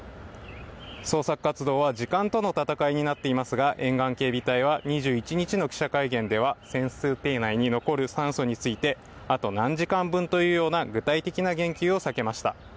捜索活動は時間との戦いになっていますが沿岸警備隊は２１日の記者会見では潜水艇内に残る酸素についてあと何時間分というような具体的な言及を避けました。